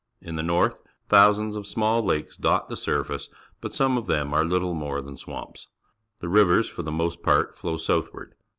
In the north thousands of small laKeS dot the surface, but some of them are little more than swamps. The rivers for the most part flow southward.